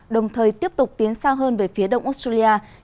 đồng thời tiếp tục tiến xa hơn về phía đông australia